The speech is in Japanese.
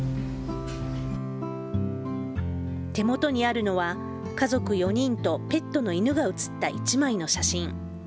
手元にあるのは、家族４人とペットの犬が写った１枚の写真。